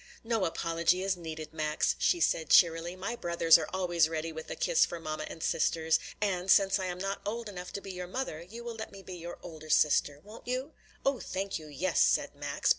"No apology is needed, Max," she said cheerily. "My brothers are always ready with a kiss for mamma and sisters. And, since I am not old enough to be your mother, you will let me be your older sister; won't you?" "Oh, thank you, yes!" said Max.